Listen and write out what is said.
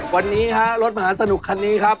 วันนี้ฮะรถมหาสนุกคันนี้ครับ